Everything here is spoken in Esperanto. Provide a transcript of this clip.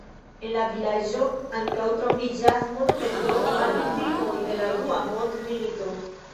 En la vilaĝo ankaŭ troviĝas monumento al viktimoj de la dua mondmilito.